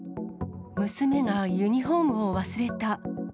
娘がユニホームを忘れた。